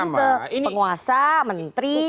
karena kan itu menuju ke penguasa menteri presiden